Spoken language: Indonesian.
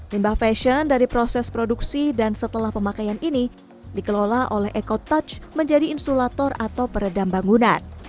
limbah fashion dari proses produksi dan setelah pemakaian ini dikelola oleh eko touch menjadi insulator atau peredam bangunan